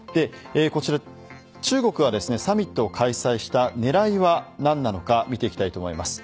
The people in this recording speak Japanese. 中国がサミットを開催したねらいは何なのか見ていきたいと思います。